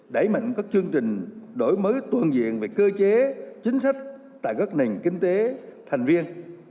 đẩy mạnh các chương trình đổi mới toàn diện về cơ chế chính sách tại các nền kinh tế thành viên